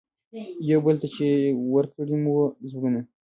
یوه بل ته چي ورکړي مو وه زړونه